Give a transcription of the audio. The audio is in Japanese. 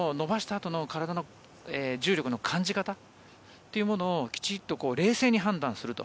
あとの体の重力の感じ方というものをきちんと冷静に判断すると。